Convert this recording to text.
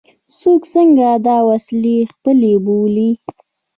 څوک څنګه دا وسیلې خپلې وبولي.